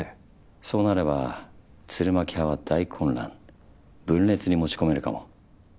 そうなれば鶴巻派は大混乱分裂に持ち込めるかも。